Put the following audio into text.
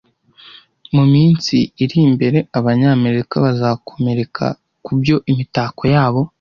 Mu minsi iri imbere Abanyamerika bazakomereka kubyo Imitako yabo